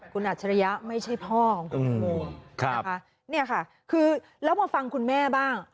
คุณอัจฉริยะไม่ใช่พ่อของคุณตังโมนะคะเนี่ยค่ะคือแล้วมาฟังคุณแม่บ้าง